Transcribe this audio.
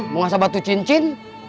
mau ngasah batu cincin